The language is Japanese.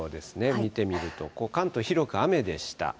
見てみると、関東広く雨でした。